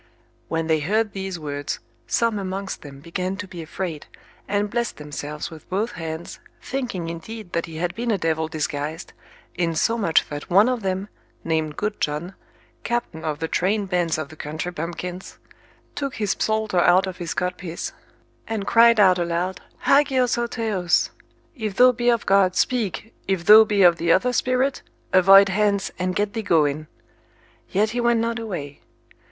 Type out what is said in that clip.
When they heard these words, some amongst them began to be afraid, and blessed themselves with both hands, thinking indeed that he had been a devil disguised, insomuch that one of them, named Good John, captain of the trained bands of the country bumpkins, took his psalter out of his codpiece, and cried out aloud, Hagios ho theos. If thou be of God, speak; if thou be of the other spirit, avoid hence, and get thee going. Yet he went not away.